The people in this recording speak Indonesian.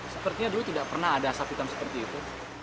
sepertinya dulu tidak pernah ada asap hitam seperti itu